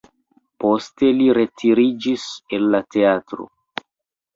Poste li retiriĝis el la teatro.